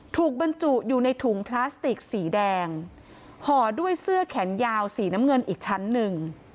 บรรจุอยู่ในถุงพลาสติกสีแดงห่อด้วยเสื้อแขนยาวสีน้ำเงินอีกชั้นหนึ่ง